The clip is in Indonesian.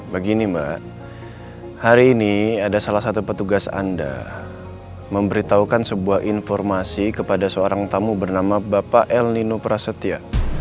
begini mbak hari ini ada salah satu petugas anda memberitahukan sebuah informasi kepada seorang tamu bernama bapak el nino prasetya